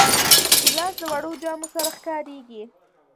ګیلاس د وړو جامو سره ښکارېږي.